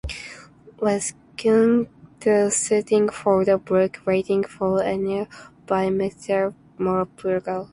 Lescun the setting for the book "Waiting for Anya" by Michael Morpurgo.